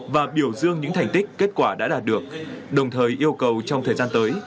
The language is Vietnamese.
và biểu dương những thành tích kết quả đã đạt được đồng thời yêu cầu trong thời gian tới